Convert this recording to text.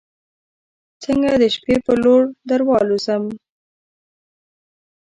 څنګه د شپې پر لور دروالوزم